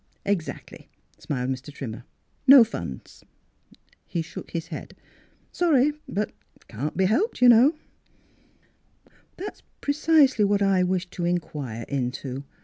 " Exactly," smiled Mr. Trimmer. " No funds." He shook his head. " Sorry ; but it can't be helped, you see." " That's precisely what I wish to in quire into.